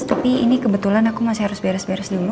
tapi ini kebetulan aku masih harus beres beres dulu